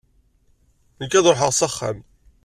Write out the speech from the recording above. Nekk ad ruḥeɣ s axxam.